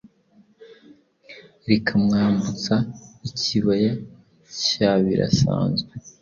rikamwambutsa ikibaya cya birasanzwe